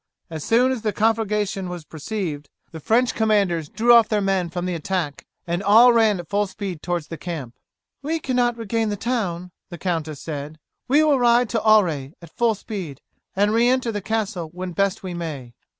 As soon as the conflagration was perceived, the French commanders drew off their men from the attack, and all ran at full speed towards the camp. "We cannot regain the town," the countess said; "we will ride to Auray at full speed, and re enter the castle when best we may."